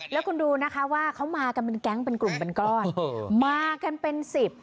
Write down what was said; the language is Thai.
และคุณดูนะคะว่าเขามากันเป็นแก๊งจับเป็นกลมมากันเป็นสิบ